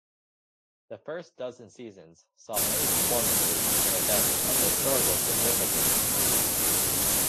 The first dozen seasons saw many performances and events of historical significance.